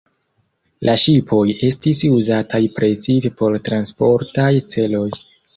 La ŝipoj estis uzataj precipe por transportaj celoj.